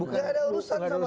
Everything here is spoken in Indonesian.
gak ada urusan sama kami